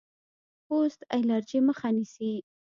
پوست الرجي مخه نیسي.